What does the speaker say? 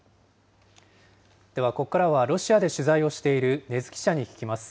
では、ここからはロシアで取材をしている禰津記者に聞きます。